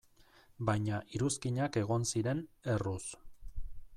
Baina iruzkinak egon ziren, erruz.